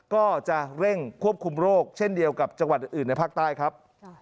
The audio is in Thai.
ก็จะเร่งควบคุมโรคเช่นเดียวกับจังหวัดอื่นในภาคใต้ครับ